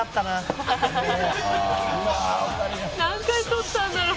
「何回撮ったんだろう」